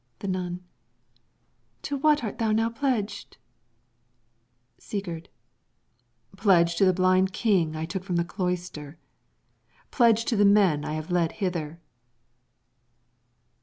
The Nun To what art thou now pledged? Sigurd Pledged to the blind king I took from the cloister; pledged to the men I have led hither.